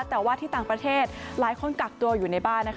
แต่ว่าที่ต่างประเทศหลายคนกักตัวอยู่ในบ้าน